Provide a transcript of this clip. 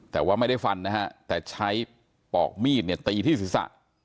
แต่ว่าไม่ได้ฟันนะฮะแต่ใช้ปอกมีดเนี่ยตีที่ศีรษะ